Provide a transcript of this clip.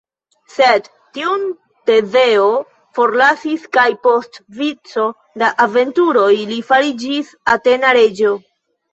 Sed tiun Tezeo forlasis kaj post vico da aventuroj li fariĝis atena reĝo.